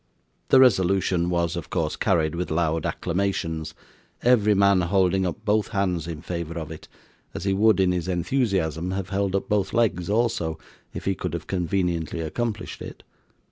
The resolution was, of course, carried with loud acclamations, every man holding up both hands in favour of it, as he would in his enthusiasm have held up both legs also, if he could have conveniently accomplished it.